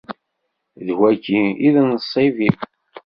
D wagi i d nnṣib-iw.